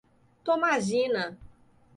Tomazina